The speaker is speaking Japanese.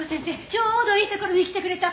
ちょうどいいところに来てくれた。